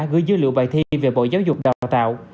gửi dữ liệu bài thi về bộ giáo dục đào tạo